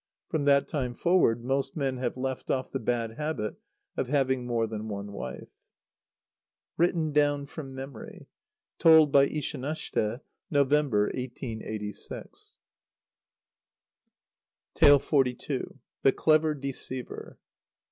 From that time forward most men have left off the bad habit of having more than one wife. (Written down from memory. Told by Ishanashte, November, 1886.) xlii. _The Clever Deceiver.